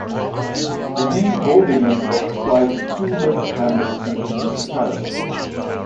The name Goldingen was applied to two different hamlets in the municipality.